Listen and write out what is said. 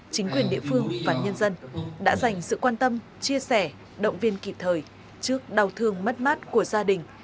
chính quyền địa phương và nhân dân đã dành sự quan tâm chia sẻ động viên kịp thời trước đau thương mất mát của gia đình